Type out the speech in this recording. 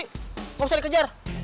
nggak usah dikejar